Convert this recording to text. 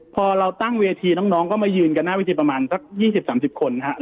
พอเราตั้งเวทีน้องก็มายืนกันหน้าวิธีประมาณสัก๒๐๓๐คนครับ